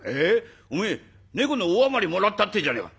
おめえ猫のおあまりもらったっていうじゃねえか！」。